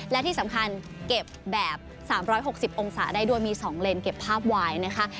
และที่สำคัญเก็บแบบ๓๖๐องศาได้ด้วยมี๒เลนเก็บภาพไว้นะคะ